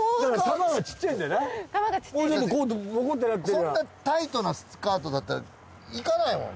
そんなタイトなスカートだったらいかないもん。